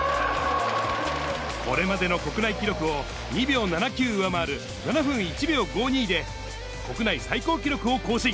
これまでの国内記録を２秒７９上回る７分１秒５２で、国内最高記録を更新。